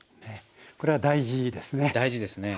これは大事ですね。